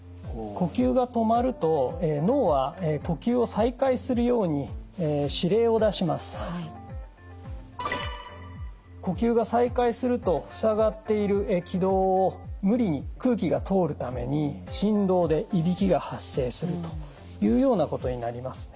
呼吸が再開するとふさがっている気道を無理に空気が通るために振動でいびきが発生するというようなことになりますね。